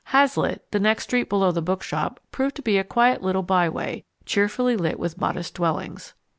Hazlitt, the next street below the bookshop, proved to be a quiet little byway, cheerfully lit with modest dwellings.